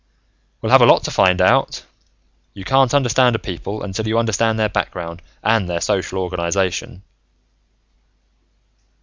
"We'll have a lot to find out: you can't understand a people until you understand their background and their social organization."